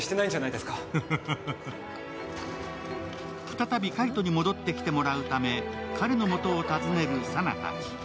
再び海斗に戻ってきてもらうため、彼のもとを訪ねる佐奈たち。